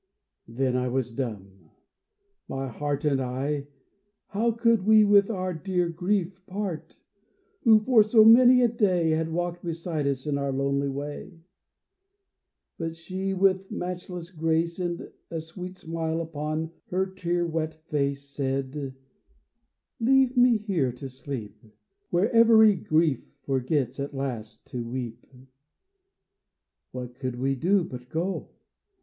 Then was I dumb. My Heart And I — how could we with our dear Grief part, Who for so many a day Had walked beside us in our lonely way ? 324 THE CHAMBER OF SILENCE But she, with matchless grace, And a sweet smile upon her tear wet face, Said, "Leave me here to sleep, Where every Grief forgets at last to weep." What could we do but go